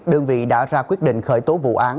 đơn vị đã ra quyết định khởi tố vụ án